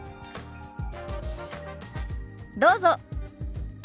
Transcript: どうぞ。